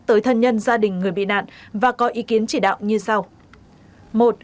tới thân nhân gia đình người bị nạn và có ý kiến chỉ đạo như sau